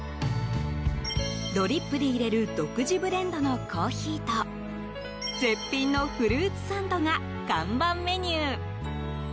ドリップで入れる独自ブレンドのコーヒーと絶品のフルーツサンドが看板メニュー。